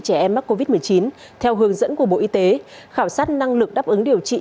trẻ em mắc covid một mươi chín theo hướng dẫn của bộ y tế khảo sát năng lực đáp ứng điều trị